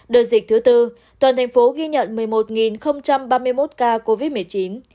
đợt dịch thứ tư toàn thành phố ghi nhận một mươi một ba mươi một ca covid một mươi chín